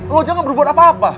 lo aja gak berbuat apa apa